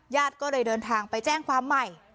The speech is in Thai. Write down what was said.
ญาติก็เลยเดินทางไปแจ้งความใหม่